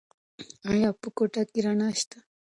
ایا په کوټه کې رڼا شته؟